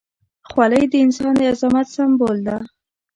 خولۍ د انسان د عظمت سمبول ده.